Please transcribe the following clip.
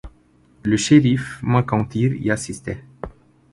Le shérif Mac Intyre y assistait.